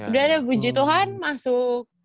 udah ada puji tuhan masuk